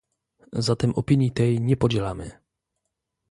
Zatem opinii tej nie podzielamy